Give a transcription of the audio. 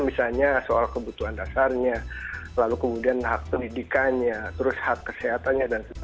misalnya soal kebutuhan dasarnya lalu kemudian hak pendidikannya terus hak kesehatannya dan sebagainya